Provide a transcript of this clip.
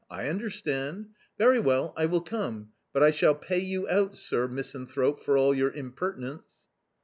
I understand ! Very well, I will come, but I shall pay you out, sir misan thrope, for all your impertinence."